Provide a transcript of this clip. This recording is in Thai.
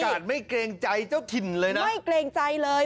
ไม่เกรงใจเจ้าถิ่นเลยนะไม่เกรงใจเลย